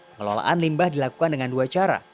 pengelolaan limbah dilakukan dengan dua cara